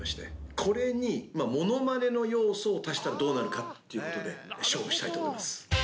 これにものまねの要素を足したらどうなるかっていうことで勝負したいと思います。